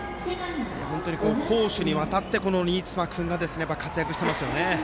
攻守にわたって新妻君が活躍してますよね。